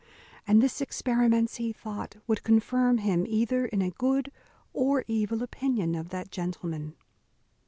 And this experiments he thought, would confirm him either in a good or evil opinion of that gentleman.